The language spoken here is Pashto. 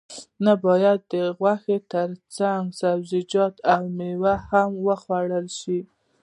نه باید د غوښې ترڅنګ سبزیجات او میوه هم وخوړل شي